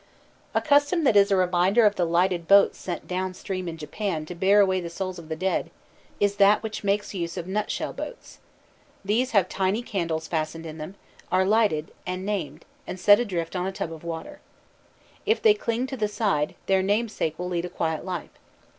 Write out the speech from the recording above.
_ A custom that is a reminder of the lighted boats sent down stream in Japan to bear away the souls of the dead, is that which makes use of nut shell boats. These have tiny candles fastened in them, are lighted, and named, and set adrift on a tub of water. If they cling to the side, their namesakes will lead a quiet life.